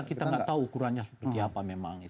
kita nggak tahu ukurannya seperti apa memang